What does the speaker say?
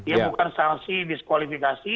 ya bukan sanksi diskualifikasi